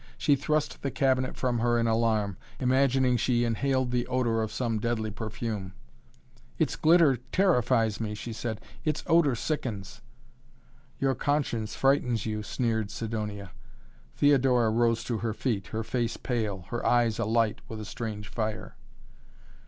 She thrust the cabinet from her in alarm, imagining she inhaled the odor of some deadly perfume. "Its glitter terrifies me!" she said. "Its odor sickens." "Your conscience frightens you," sneered Sidonia. Theodora rose to her feet, her face pale, her eyes alight with a strange fire.